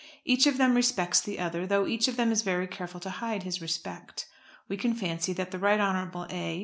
Each of them respects the other, though each of them is very careful to hide his respect. We can fancy that the Right Honourable A.